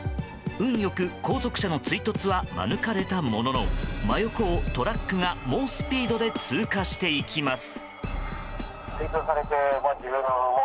運よく後続車の追突は免れたものの真横をトラックが猛スピードで通過していきます。